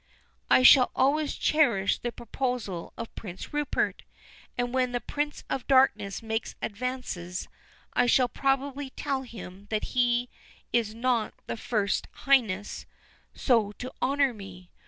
I shall always cherish the proposal of Prince Rupert, and when the Prince of Darkness makes advances I shall probably tell him that he is not the first Highness so to honour me.